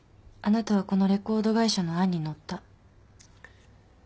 あなたはこのレコード会社の案に乗った。